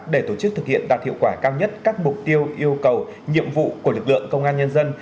để tổ chức thực hiện đạt hiệu quả cao nhất các mục tiêu yêu cầu nhiệm vụ của lực lượng công an nhân dân